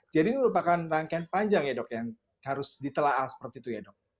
jadi ini merupakan rangkaian panjang ya dok yang harus ditelaa seperti itu ya dok